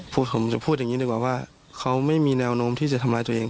ผมจะพูดอย่างนี้ดีกว่าว่าเขาไม่มีแนวโน้มที่จะทำร้ายตัวเอง